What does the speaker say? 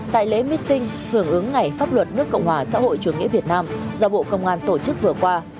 tại lễ meeting hưởng ứng ngày pháp luật nước cộng hòa xã hội chủ nghĩa việt nam do bộ công an tổ chức vừa qua